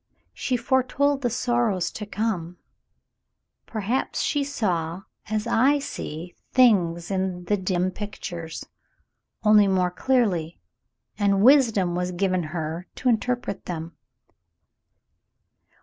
She foretold the sorrows to come. Perhaps she saw as I see things in the dim pictures, only more clearly, and wisdom was given her to interpret them.